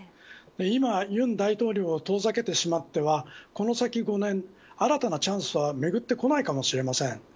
今、尹大統領を遠ざけてしまってはこの先５年、新たなチャンスはめぐってこないかもしれません。